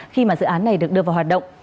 khi mà dự án này được đưa vào hoạt động